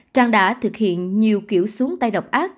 trang đã thực hiện nhiều kiểu xuống tay độc ác